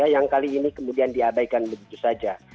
yang kali ini kemudian diabaikan begitu saja